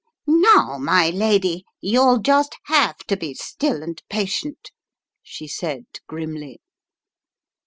"Now, my lady, you'll just have to be still and patient," she said grimly.